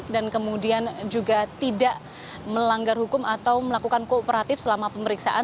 dan kemudian juga tidak melanggar hukum atau melakukan kooperatif selama pemeriksaan